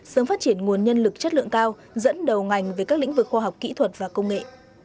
sớm phát triển nguồn nhân lực chất lượng cao dẫn đầu ngành về các lĩnh vực khoa học kỹ thuật và công nghệ